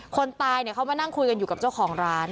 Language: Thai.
คนตายเขามานั่งคุยกันอยู่กับเจ้าของร้าน